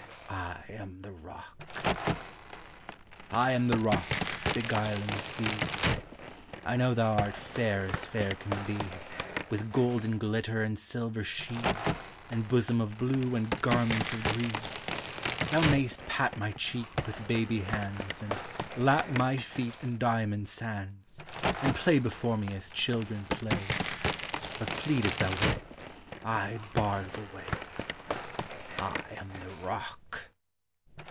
I am the Eock! I am the Rock, beguiling Sea! I know thou art fair as fair can be, With golden glitter and silver sheen. And bosom of blue and garments of green. Thou mayst pat my cheek with baby hands, And lap my feet in diamond sands. And play before me as children play; But plead as thou wilt, I bar the way! I am the Bock